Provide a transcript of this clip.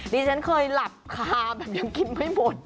ดิฉันเคยหลับคาแบบยังกินไม่หมด